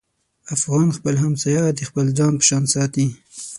افغان خپل همسایه د خپل ځان په شان ساتي.